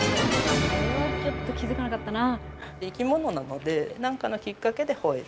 これはちょっと気付かなかったな。